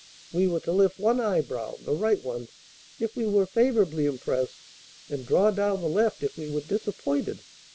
We were to lift one eyebrow, the right one, if we were favorably impressed, and draw down the left if we were disappointed.